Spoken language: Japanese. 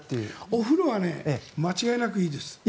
お風呂は間違いなくいいです。